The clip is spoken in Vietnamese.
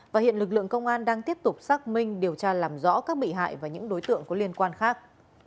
và hiện lực lượng công an đang tiếp tục xác minh điều tra làm rõ các bị hại và những đối tượng có liên quan khác